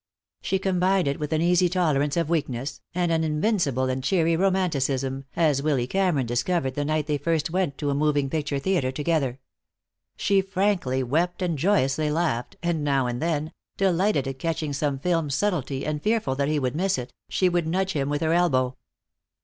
She combined it with an easy tolerance of weakness, and an invincible and cheery romanticism, as Willy Cameron discovered the night they first went to a moving picture theater together. She frankly wept and joyously laughed, and now and then, delighted at catching some film subtlety and fearful that he would miss it, she would nudge him with her elbow.